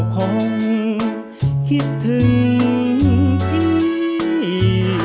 คงคิดถึงพี่